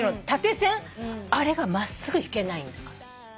あれが真っすぐ引けないんだから。